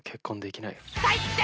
最低！